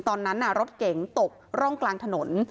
ตอนนั้นรถเก๋งตกร่องกลางถนน